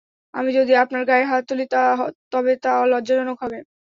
আমি যদি আপনার গায়ে হাত তুলি, তবে তা লজ্জাজনক হবে।